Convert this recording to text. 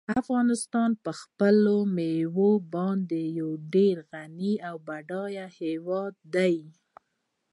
افغانستان په خپلو مېوو باندې یو ډېر غني او بډای هېواد دی.